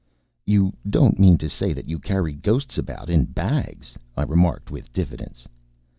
"You don't mean to say that you carry ghosts about in bags?" I remarked, with diffidence.